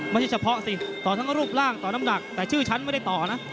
ไม่ใช่เฉพาะสิต่อทั้งรูปร่างต่อน้ำหนักแต่ชื่อฉันไม่ได้ต่อนะ